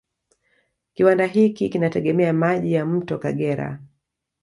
Kiwanda hiki kinategemea maji ya mto Kagera